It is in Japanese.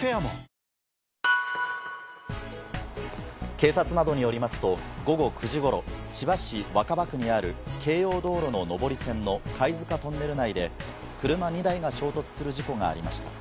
警察などによりますと、午後９時ごろ、千葉市若葉区にある、京葉道路の上り線の貝塚トンネル内で、車２台が衝突する事故がありました。